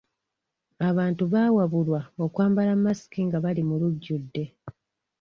Abantu baawabulwa okwambala masiki nga bali mu lujjudde.